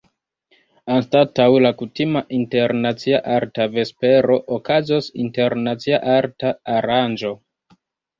Anstataŭ la kutima Internacia Arta Vespero, okazos “Internacia Arta Aranĝo”.